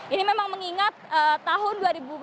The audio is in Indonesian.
ini memang mengingat tahun dua ribu delapan belas